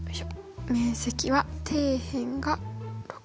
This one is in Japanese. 面積は底辺が６。